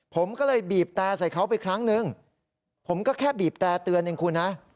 ผมก็เลยบีบแต่ใส่เขาไปครั้งนึงผมก็แค่บีบแต่เตือนเองคุณนะ